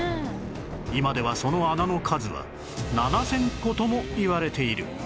今ではその穴の数は７０００個ともいわれている